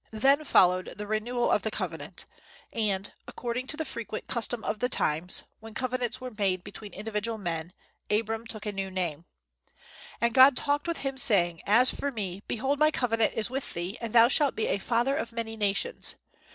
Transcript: Then followed the renewal of the covenant; and, according to the frequent custom of the times, when covenants were made between individual men, Abram took a new name: "And God talked with him, saying, As for me, behold my covenant is with thee, and thou shalt be a father of many nations.